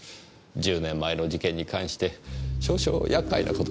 １０年前の事件に関して少々厄介な事が。